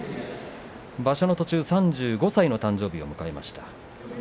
場所の途中３５歳の誕生日を迎えました。